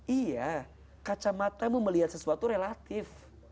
iya kacamata mau melihat sesuatu relatif